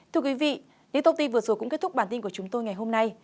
thưa quý vị những thông tin vừa rồi cũng kết thúc bản tin của chúng tôi ngày hôm nay